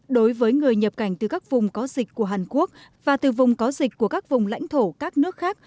đối với người nhập cảnh từ các vùng có dịch của hàn quốc và từ vùng có dịch của các vùng lãnh thổ các nước khác